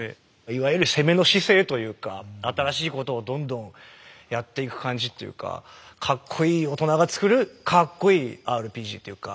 いわゆる攻めの姿勢というか新しいことをどんどんやっていく感じっていうかカッコイイ大人が作るカッコイイＲＰＧっていうか。